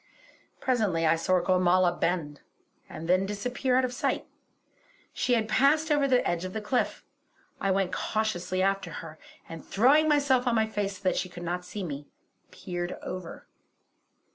Presently I saw Gormala bend, and then disappear out of sight. She had passed over the edge of the cliff. I went cautiously after her, and throwing myself on my face so that she could not see me, peered over.